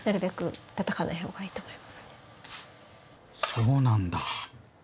そうなんだ！